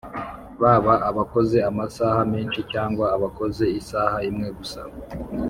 baba abakoze amasaha menshi cyangwa abakoze isaha imwe gusa